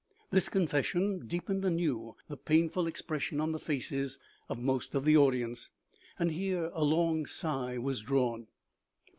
This confession deepened anew the painful expres sion on the faces of most of the audience, and here a long sigh was drawn.